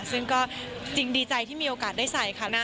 ซึ่งก็จริงดีใจที่มีโอกาสได้ใส่ค่ะ